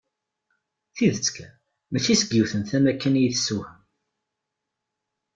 Tidet kan, mačči seg yiwet n tama kan i yi-tessewhem.